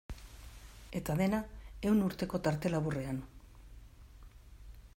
Eta dena ehun urteko tarte laburrean.